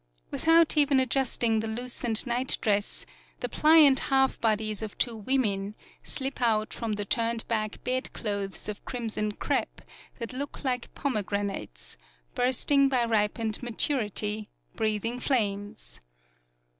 Without even adjusting the loosened night dress, the pliant half bodies of two women slip out from the turned back bedclothes of crimson crepe that look like pomegranates, bursting by ripened maturity, breathing flames.